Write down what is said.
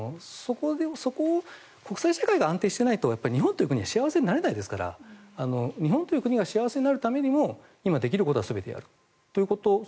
そこを国際社会が安定していないと日本という国は幸せになれないですから日本という国が幸せになるためにも今、できることは全てやるということ。